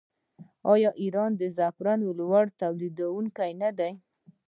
آیا ایران د زعفرانو لوی تولیدونکی نه دی؟